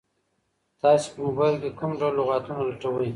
تاسي په موبایل کي کوم ډول لغتونه لټوئ؟